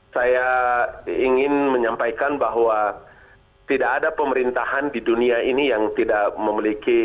saya ingin menyampaikan bahwa tidak ada pemerintahan di dunia ini yang tidak memiliki